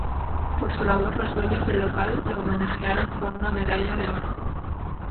Por su labor los dueños del local lo homenajearon con una medalla de oro.